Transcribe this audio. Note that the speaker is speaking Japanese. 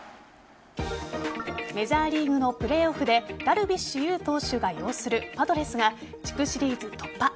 メジャーリーグのプレーオフでダルビッシュ有投手を擁するパドレスが地区シリーズ突破。